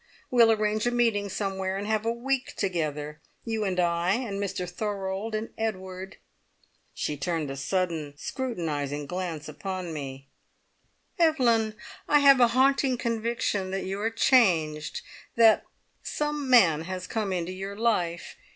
We'll arrange a meeting somewhere, and have a week together. You and I, and Mr Thorold, and Edward." She turned a sudden scrutinising glance upon me. "Evelyn, I have a haunting conviction that you are changed; that some man has come into your life.